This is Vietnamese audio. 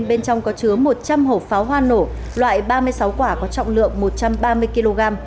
bên trong có chứa một trăm linh hộp pháo hoa nổ loại ba mươi sáu quả có trọng lượng một trăm ba mươi kg